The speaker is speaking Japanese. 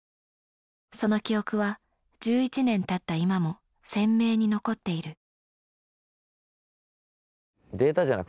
その記憶は１１年たった今も鮮明に残っている。